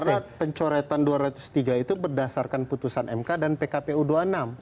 karena pencoretan dua ratus tiga itu berdasarkan putusan mk dan pkpu dua puluh enam